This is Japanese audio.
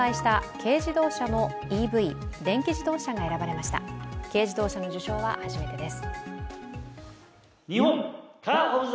軽自動車の受賞は初めてです。